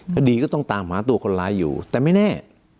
คดีก็ต้องตามหาตัวคนร้ายอยู่แต่ไม่แน่